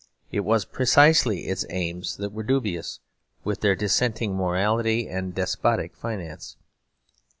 It was precisely its aims that were dubious, with their dissenting morality and despotic finance.